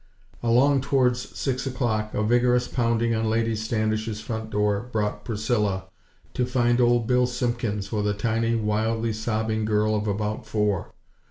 Along towards six o'clock a vigorous pounding on Lady Standish's front door brought Priscilla, to find Old Bill Simpkins with a tiny, wildly sobbing girl of about four.